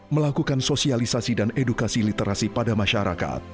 melakukan sosialisasi dan edukasi literasi pada masyarakat